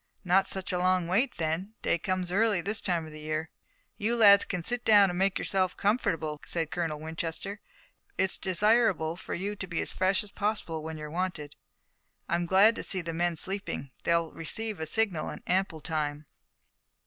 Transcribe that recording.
"Not such a long wait then. Day comes early this time of the year." "You lads can sit down and make yourselves comfortable," said Colonel Winchester. "It's desirable for you to be as fresh as possible when you're wanted. I'm glad to see the men sleeping. They'll receive a signal in ample time."